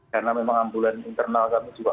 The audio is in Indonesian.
karena memang ambulan internal kami juga